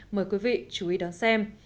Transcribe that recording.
mời quý vị chú ý đón xem